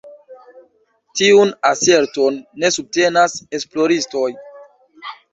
Tiun aserton ne subtenas esploristoj.